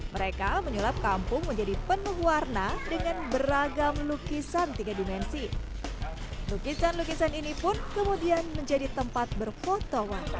mereka menyulap kampung menjadi penuh warna dengan beragam lukisan tiga dimensi lukisan lukisan ini pun kemudian menjadi tempat berfoto warna